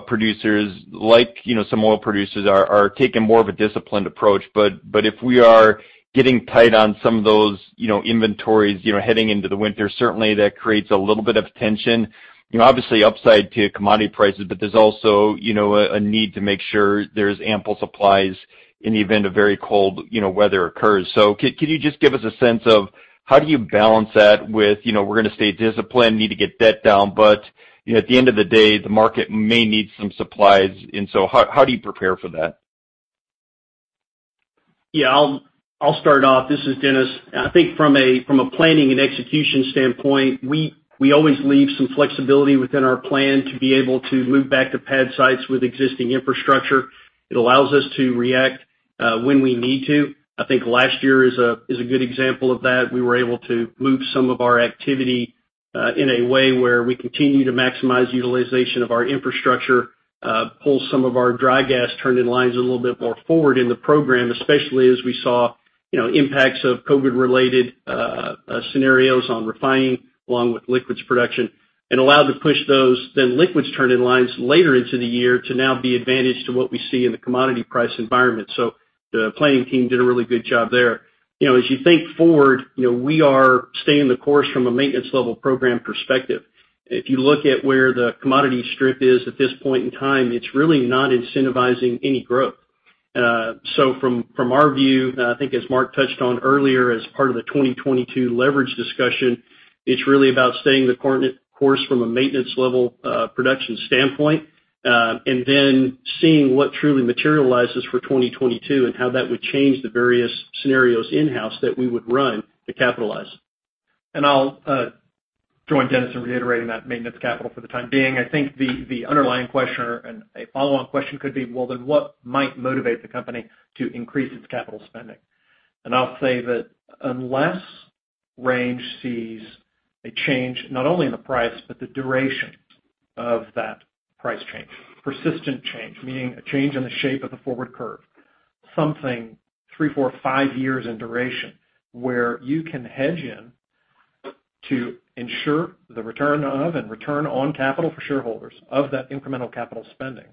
producers, like some oil producers, are taking more of a disciplined approach. If we are getting tight on some of those inventories heading into the winter, certainly that creates a little bit of tension. Obviously upside to commodity prices, but there's also a need to make sure there's ample supplies in the event a very cold weather occurs. Can you just give us a sense of how do you balance that with, we're going to stay disciplined, need to get debt down, but at the end of the day, the market may need some supplies. How do you prepare for that? I'll start off. This is Dennis. I think from a planning and execution standpoint, we always leave some flexibility within our plan to be able to move back to pad sites with existing infrastructure. It allows us to react when we need to. I think last year is a good example of that. We were able to move some of our activity in a way where we continue to maximize utilization of our infrastructure, pull some of our dry gas turn-in lines a little bit more forward in the program, especially as we saw impacts of COVID-related scenarios on refining, along with liquids production. allowed to push those then liquids turn-in lines later into the year to now be advantage to what we see in the commodity price environment. The planning team did a really good job there. As you think forward, we are staying the course from a maintenance level program perspective. If you look at where the commodity strip is at this point in time, it's really not incentivizing any growth. From our view, I think as Mark touched on earlier as part of the 2022 leverage discussion, it's really about staying the course from a maintenance level production standpoint, and then seeing what truly materializes for 2022 and how that would change the various scenarios in-house that we would run to capitalize. I will join Dennis Degner in reiterating that maintenance capital for the time being. I think the underlying question or a follow-on question could be, well, then what might motivate the company to increase its capital spending? I'll say that unless Range sees a change, not only in the price, but the duration of that price change, persistent change, meaning a change in the shape of the forward curve. Something three, four, five years in duration where you can hedge in to ensure the return of and return on capital for shareholders of that incremental capital spending.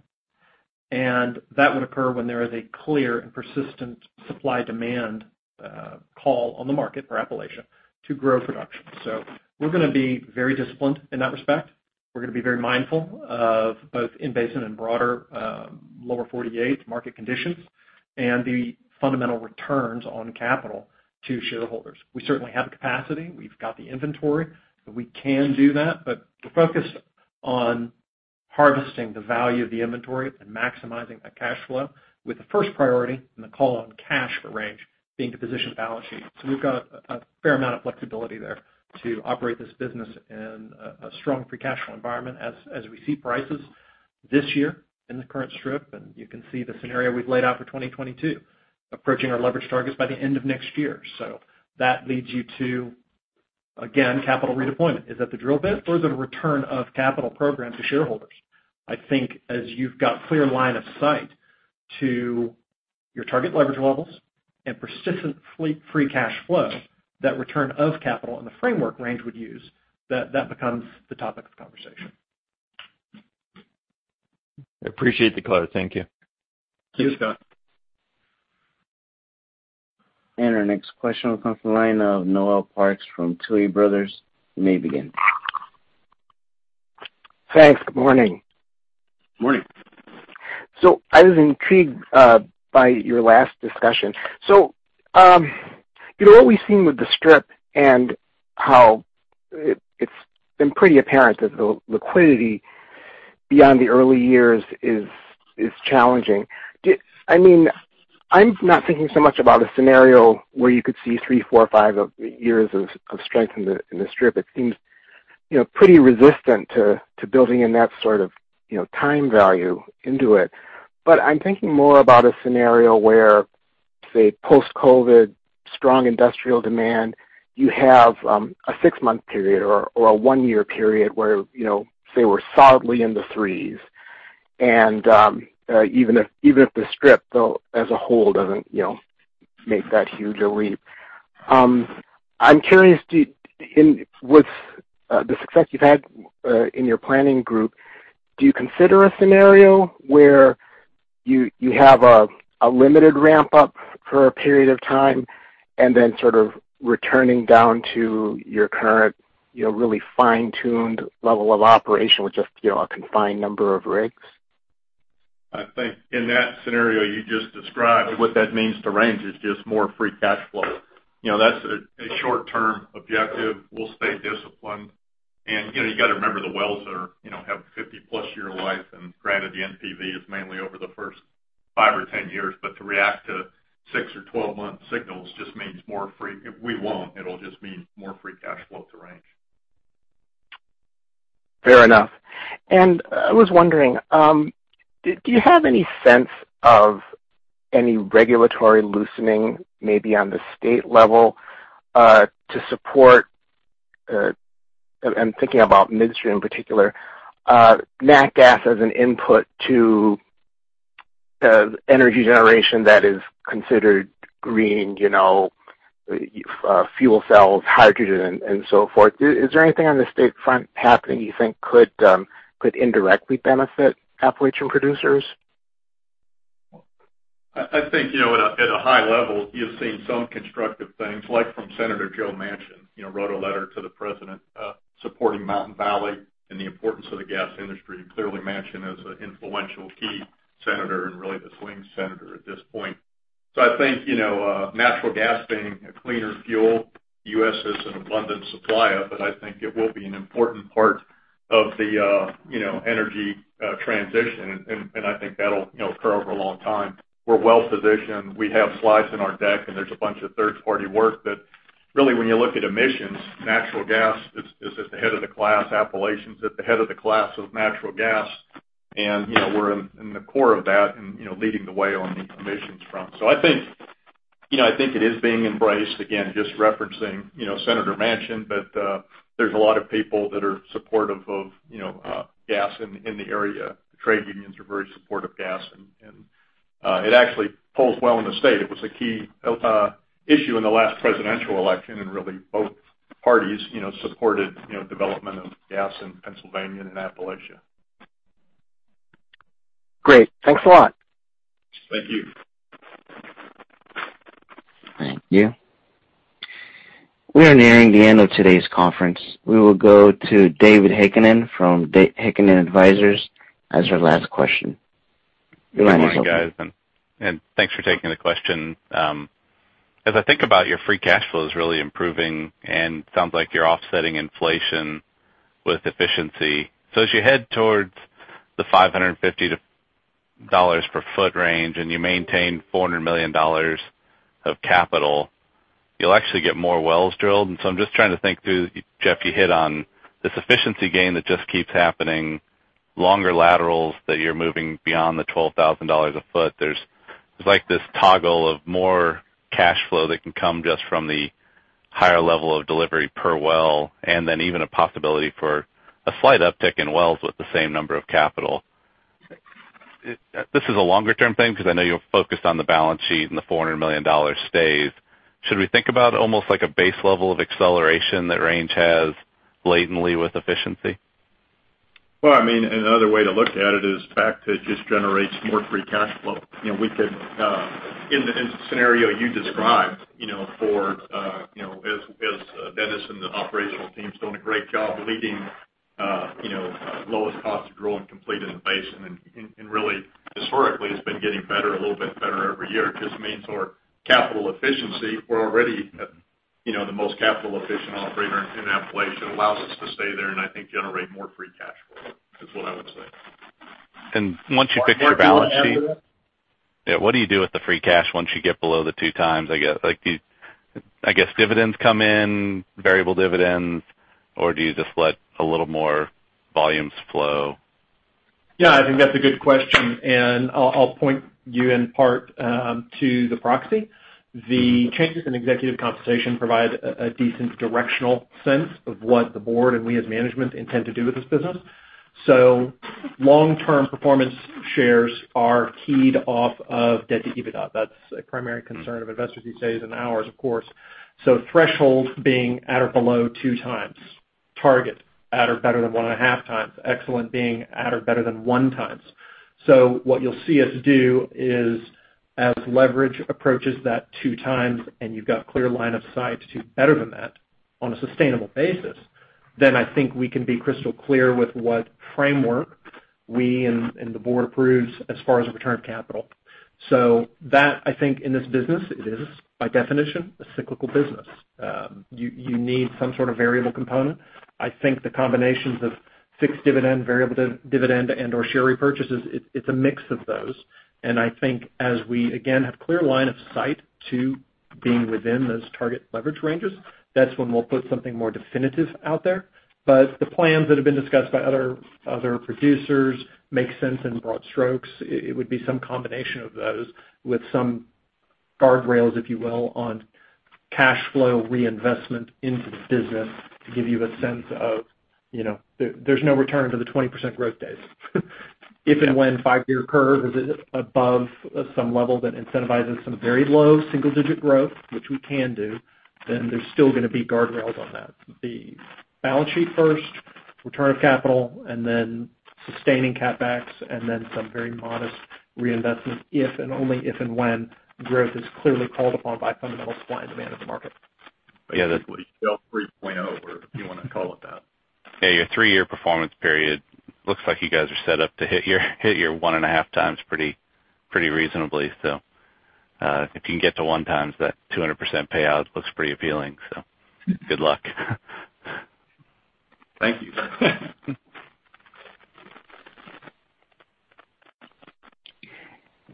That would occur when there is a clear and persistent supply-demand call on the market for Appalachia to grow production. We're going to be very disciplined in that respect. We're going to be very mindful of both in basin and broader, Lower 48 market conditions and the fundamental returns on capital to shareholders. We certainly have the capacity. We've got the inventory, so we can do that. The focus on. Harvesting the value of the inventory and maximizing that cash flow with the first priority and the call on cash for Range being to position the balance sheet. We've got a fair amount of flexibility there to operate this business in a strong free cash flow environment as we see prices this year in the current strip, and you can see the scenario we've laid out for 2022, approaching our leverage targets by the end of next year. That leads you to, again, capital redeployment. Is that the drill bit or is it a return of capital program to shareholders? I think as you've got clear line of sight to your target leverage levels and persistent free cash flow, that return of capital in the framework Range would use, that become the topic of conversation. I appreciate the color. Thank you. Thanks, Scott. Our next question will come from the line of Noel Parks from Tuohy Brothers. You may begin. Thanks. Good morning. Morning. I was intrigued by your last discussion. What we've seen with the strip and how it's been pretty apparent that the liquidity beyond the early years is challenging. I'm not thinking so much about a scenario where you could see three, four, five years of strength in the strip. It seems pretty resistant to building in that sort of time value into it. I'm thinking more about a scenario where, say, post-COVID, strong industrial demand, you have a six-month period or a one-year period where, say, we're solidly in the threes. Even if the strip, though, as a whole doesn't make that huge a leap. I'm curious, with the success you've had in your planning group, do you consider a scenario where you have a limited ramp-up for a period of time and then sort of returning down to your current really fine-tuned level of operation with just a confined number of rigs? I think in that scenario you just described, what that means to Range is just more free cash flow. That's a short-term objective. We'll stay disciplined. You got to remember the wells have 50-plus year life, and granted, the NPV is mainly over the first five or 10 years, but to react to six or 12-month signals. We won't. It'll just mean more free cash flow to Range. Fair enough. I was wondering, do you have any sense of any regulatory loosening, maybe on the state level, to support, I mean, I'm thinking about midstream in particular, nat gas as an input to energy generation that is considered green, fuel cells, hydrogen, and so forth. Is there anything on the state front happening you think could indirectly benefit Appalachia producers? I think at a high level, you've seen some constructive things, like from Senator Joe Manchin, wrote a letter to the President supporting Mountain Valley and the importance of the gas industry. Clearly, Manchin is an influential key senator and really the swing senator at this point. I think natural gas being a cleaner fuel, the U.S. has an abundant supply of it. I think it will be an important part of the energy transition, and I think that'll occur over a long time. We're well-positioned. We have slides in our deck, and there's a bunch of third-party work that really when you look at emissions, natural gas is at the head of the class. Appalachia is at the head of the class of natural gas, and we're in the core of that and leading the way on the emissions front. I think it is being embraced. Again, just referencing Senator Manchin, but there's a lot of people that are supportive of gas in the area. The trade unions are very supportive of gas, and it actually polls well in the state. It was a key issue in the last presidential election, and really both parties supported development of gas in Pennsylvania and Appalachia. Great. Thanks a lot. Thank you. Thank you. We are nearing the end of today's conference. We will go to David Heikkinen from Heikkinen Advisors as our last question. The line is open. Good morning, guys. Thanks for taking the question. As I think about your free cash flows really improving and sounds like you're offsetting inflation with efficiency. As you head towards the $550 per foot range and you maintain $400 million of capital, you'll actually get more wells drilled. I'm just trying to think through, Jeff, you hit on this efficiency gain that just keeps happening, longer laterals that you're moving beyond the 12,000-foot. There's like this toggle of more cash flow that can come just from the higher level of delivery per well, and then even a possibility for a slight uptick in wells with the same number of capital. This is a longer-term thing because I know you're focused on the balance sheet and the $400 million stays. Should we think about almost like a base level of acceleration that Range has unlocked with efficiency? Well, another way to look at it is back to it just generates more free cash flow. In the scenario you described, as Dennis and the operational team's doing a great job leading lowest cost to drill and complete in the basin, and really, historically, it's been getting better, a little bit better every year. It just means our capital efficiency, we're already at the most capital-efficient operator in Appalachia allows us to stay there and I think generate more free cash flow, is what I would say. once you fix your balance sheet. Mark, do you want to add to that? Yeah. What do you do with the free cash once you get below the two times? I guess dividends come in, variable dividends, or do you just let a little more volumes flow? I think that's a good question, and I'll point you in part to the proxy. The changes in executive compensation provide a decent directional sense of what the board and we as management intend to do with this business. Long-term performance shares are keyed off of debt to EBITDA. That's a primary concern of investors these days and ours of course. Thresholds being at or below two times. Target, at or better than 1.5 times. Excellent being at or better than one time. What you'll see us do is as leverage approaches that two times and you've got clear line of sight to better than that on a sustainable basis, then I think we can be crystal clear with what framework we and the board approves as far as a return of capital. That, I think in this business, it is by definition, a cyclical business. You need some sort of variable component. I think the combinations of fixed dividend, variable dividend, and/or share repurchases, it's a mix of those. I think as we, again, have clear line of sight to being within those target leverage ranges, that's when we'll put something more definitive out there. The plans that have been discussed by other producers make sense in broad strokes. It would be some combination of those with some guardrails, if you will, on cash flow reinvestment into the business to give you a sense of there's no return to the 20% growth days. If and when the five-year curve is above some level that incentivizes some very low single-digit growth, which we can do, then there's still going to be guardrails on that. The balance sheet first, return of capital, and then sustaining CapEx, and then some very modest reinvestment if and only if and when growth is clearly called upon by fundamental supply and demand of the market. Yeah. It's basically Shale 3.0, or if you want to call it that. Yeah, your three-year performance period looks like you guys are set up to hit your one and a half times pretty reasonably. If you can get to one times, that 200% payout looks pretty appealing. Good luck. Thank you.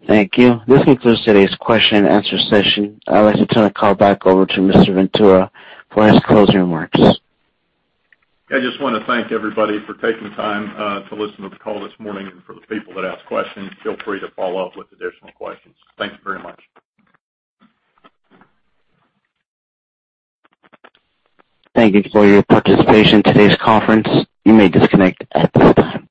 Thank you. This concludes today's question and answer session. I would like to turn the call back over to Mr. Ventura for his closing remarks. I just want to thank everybody for taking the time to listen to the call this morning. For the people that asked questions, feel free to follow up with additional questions. Thank you very much. Thank you for your participation in today's conference. You may disconnect at this time.